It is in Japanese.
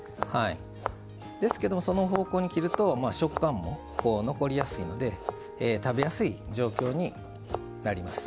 ですけどもその方向に切ると食感も残りやすいので食べやすい状況になります。